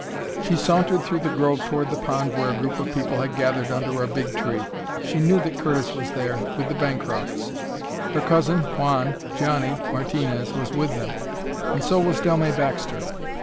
She sauntered through the grove toward the pond where a group of people had gathered under a big tree. She knew that Curtis was there, with the Bancrofts. Her cousin Juan "Johnny" Martinez was with them, and so was Dellmey Baxter.